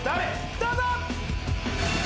どうぞ！